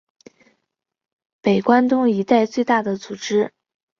北关东一带最大组织。